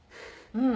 うん。